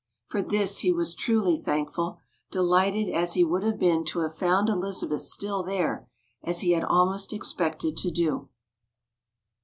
For this he was truly thankful, delighted as he would have been to have found Elizabeth still there, as he had almost expected to do.